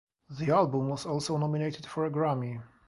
The album was also nominated for a Grammy.